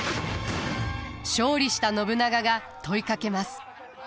勝利した信長が問いかけます。